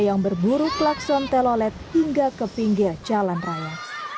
yang berburu klakson telolet hingga ke pinggir jalan raya